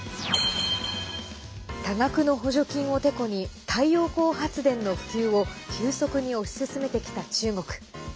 多額の補助金をてこに太陽光発電の普及を急速に推し進めてきた中国。